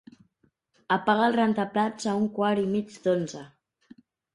Apaga el rentaplats a un quart i mig d'onze.